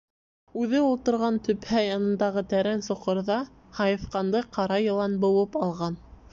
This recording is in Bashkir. Үҙе ултырған төпһә янындағы тәрән соҡорҙа һайыҫҡанды ҡара йылан быуып алған!